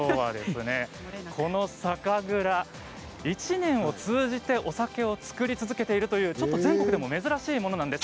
この酒蔵１年を通じてお酒を造り続けているという全国でも珍しいものなんです。